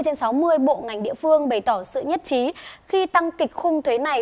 trên sáu mươi bộ ngành địa phương bày tỏ sự nhất trí khi tăng kịch khung thuế này